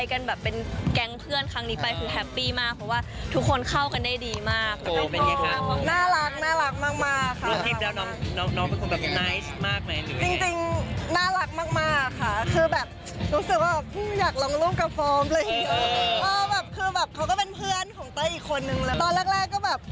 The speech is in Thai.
เจมส์ชิ้วมากจนทุกคนแบบ